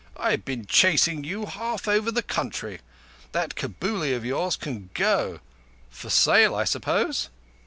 "I've been chasing you half over the country. That Kabuli of yours can go. For sale, I suppose?"